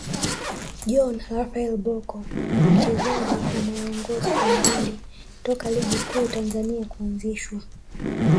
John Raphael Bocco Mchezaji anayeongoza kwa magori toka ligi kuu Tanzania kuanzishwa